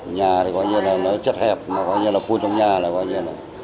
nhà thì có nghĩa là nó chất hẹp nó có nghĩa là phun trong nhà là có nghĩa là